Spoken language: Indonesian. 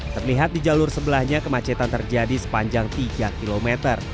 terlihat di jalur sebelahnya kemacetan terjadi sepanjang tiga km